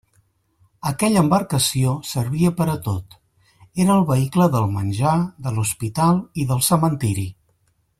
Aquella embarcació servia per a tot; era el vehicle del menjar, de l'hospital i del cementeri.